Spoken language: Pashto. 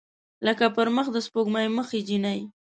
لکه پر مخ د سپوږمۍ مخې جینۍ